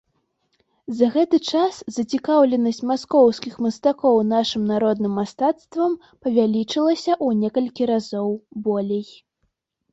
За гэты час зацікаўленасць маскоўскіх мастакоў нашым народным мастацтвам павялічылася ў некалькі разоў болей.